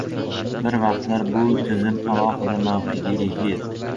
Bir vaqtlar bu tizim alohida mavqega ega edi.